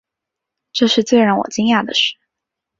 这是最让我惊讶的事